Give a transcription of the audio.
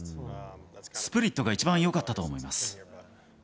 スプリットが一番よかったと思います。